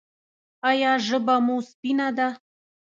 ایا ژبه مو سپینه ده؟